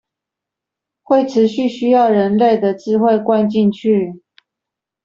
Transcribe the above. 會持續需要人類的智慧灌進去